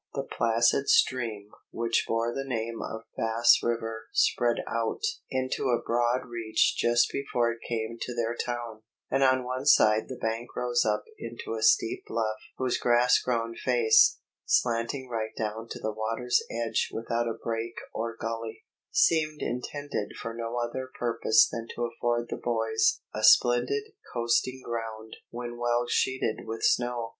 The placid stream which bore the name of Bass River spread out into a broad reach just before it came to their town, and on one side the bank rose up into a steep bluff whose grass grown face, slanting right down to the water's edge without a break or gully, seemed intended for no other purpose than to afford the boys a splendid coasting ground when well sheeted with snow.